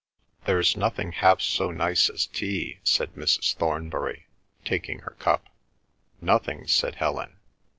"There's nothing half so nice as tea!" said Mrs. Thornbury, taking her cup. "Nothing," said Helen.